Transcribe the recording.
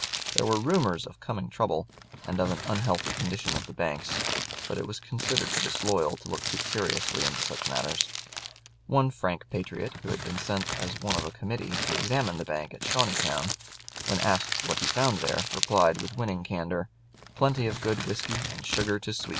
There were rumors of coming trouble, and of an unhealthy condition of the banks; but it was considered disloyal to look too curiously into such matters. One frank patriot, who had been sent as one of a committee to examine the bank at Shawneetown, when asked what he found there, replied with winning candor, "Plenty of good whisky and sugar to sweeten it."